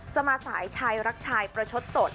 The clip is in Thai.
จะมาสายชายรักชายประชดสด